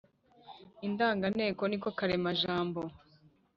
. Indanganteko ni ko karemajambo